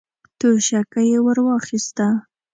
توشکه يې ور واخيسته.